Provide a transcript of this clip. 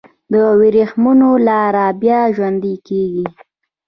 د وریښمو لاره بیا ژوندی کیږي؟